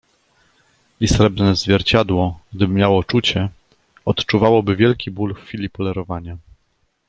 "„I srebrne zwierciadło, gdyby miało czucie, odczuwało by wielki ból w chwili polerowania."